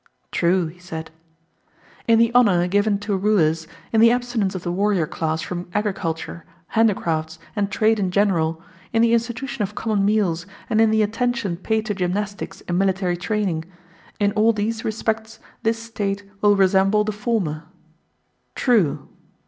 True, he said. In the honour given to rulers, in the abstinence of the warrior class from agriculture, handicrafts, and trade in general, in the institution of common meals, and in the attention paid to gymnastics and military training—in all these respects this State will resemble the former. True.